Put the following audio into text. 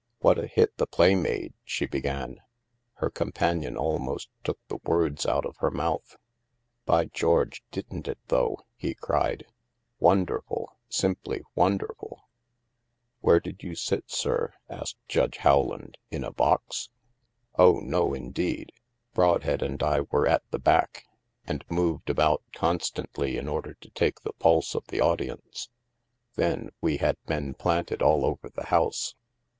" What a hit the play made," she began. Her companion almost took the words out of her mouth. " By George, didn't it, though ?" he cried. " Wonderful ! Simply wonderful !" "Where did you sit, sir?" asked Judge How land. "In a box?'' " Oh, no, indeed ! Brodhead and I were at the back, and moved about constantly in order to take the pulse of the audience. Then, we had men planted all over the house.